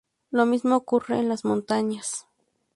Lo mismo ocurre en las montañas.